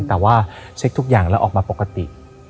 แต่ว่าเช็คทุกอย่างแล้วออกมาปกติ